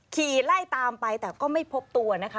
ขี่ไล่ตามไปแต่ก็ไม่พบตัวนะคะ